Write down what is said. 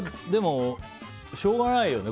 しょうがないよね。